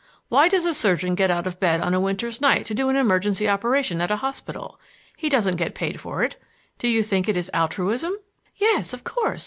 Why does a surgeon get out of bed on a winter's night to do an emergency operation at a hospital? He doesn't get paid for it. Do you think it is altruism?" "Yes, of course.